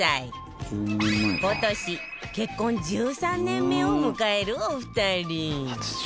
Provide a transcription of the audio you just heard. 今年結婚１３年目を迎えるお二人